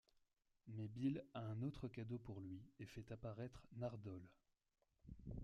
Mais Bill a un autre cadeau pour lui et fait apparaître Nardole.